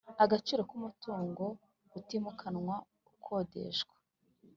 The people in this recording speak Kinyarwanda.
Agaciro k umutungo utimukanwa ukodeshwa